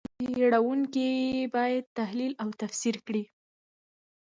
څېړونکي یې باید تحلیل او تفسیر کړي.